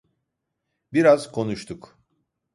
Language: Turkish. Biraz konuştuk.